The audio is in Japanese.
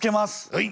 はい。